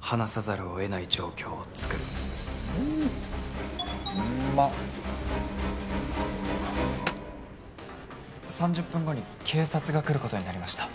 話さざるを得ない状況を作るうーん「３０分後に警察が来ることになりました」